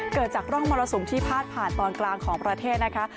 เกิดจากร่องมรสุมที่พาดผ่านตอนกลางของประเทศนะคะ